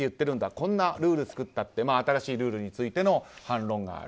こんなルールを作ったって新しいルールについての反論がある。